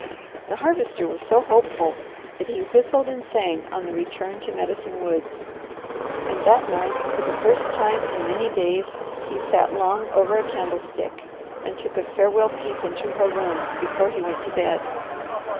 The Harvester was so hopeful that he whistled and sang on the return to Medicine Woods, and that night for the first time in many days he sat long over a candlestick, and took a farewell peep into her room before he went to bed.